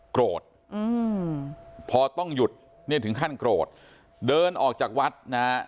โกรธอืมพอต้องหยุดเนี่ยถึงขั้นโกรธเดินออกจากวัดนะฮะ